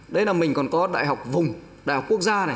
đấy là mình còn có đại học vùng đại học quốc gia này